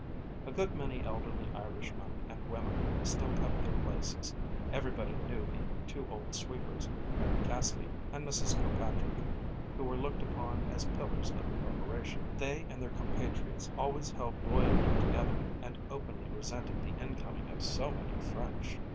A good many elderly Irishmen and women still kept their places; everybody knew the two old sweepers, Mary Cassidy and Mrs. Kilpatrick, who were looked upon as pillars of the Corporation. They and their compatriots always held loyally together and openly resented the incoming of so many French.